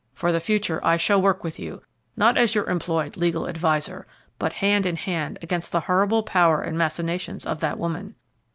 For the future I shall work with you, not as your employed legal adviser, but hand in hand against the horrible power and machinations of that woman.